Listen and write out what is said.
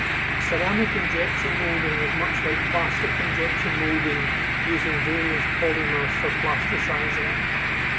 Ceramic injection moulding is much like plastic injection moulding using various polymers for plasticizing.